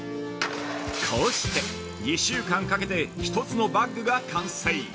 こうして２週間かけて、一つのバッグが完成。